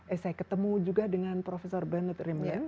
eh saya ketemu juga dengan prof bernard rimland